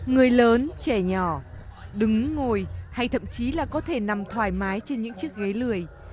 người lớn trẻ nhỏ đứng ngồi hay thậm chí là có thể nằm thoải mái trên những chiếc ghế lười